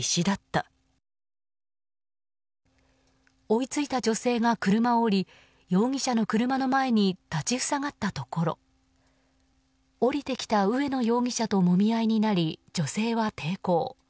追いついた女性が車を降り容疑者の車の前に立ち塞がったところ降りてきた上野容疑者ともみ合いになり、女性は抵抗。